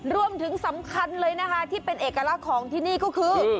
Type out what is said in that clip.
รวมถึงสำคัญเลยนะคะที่เป็นเอกลักษณ์ของที่นี่ก็คือ